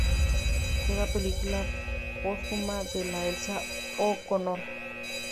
Fue la película póstuma de Elsa O'Connor.